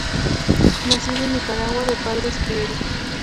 Nacido en Nicaragua, de padres criollos.